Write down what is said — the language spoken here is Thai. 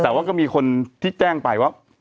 แต่ว่าก็มีคนที่แจ้งไปว่า